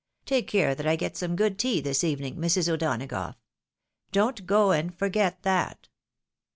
Take care that I get some good tea this evening, Mrs. O'Dona gough ; don't go and forget that."